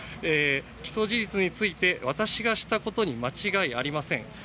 起訴事実について私がしたことに間違いありません。